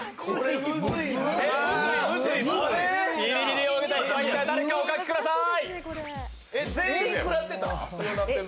ビリビリを受けた人は一体誰か、お書きください。